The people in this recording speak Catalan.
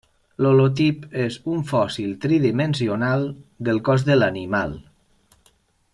L'holotip és un fòssil tridimensional del cos de l'animal.